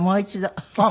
ああ